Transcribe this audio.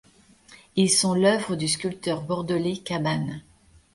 Ils sont l’œuvre du sculpteur bordelais Cabanne.